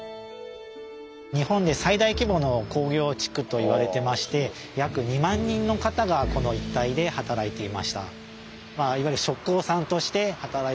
日本で最大規模の工業地区と言われてまして約２万人の方がこの一帯で働いていました。